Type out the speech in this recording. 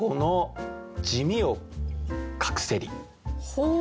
ほう。